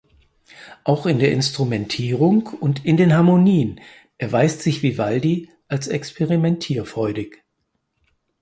Auch in der Instrumentierung und in den Harmonien erweist sich Vivaldi als experimentierfreudig.